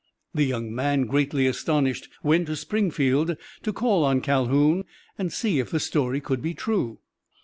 The young man, greatly astonished, went to Springfield to call on Calhoun and see if the story could be true.